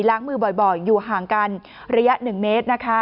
ล้างมือบ่อยอยู่ห่างกันระยะ๑เมตรนะคะ